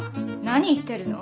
何言ってるの？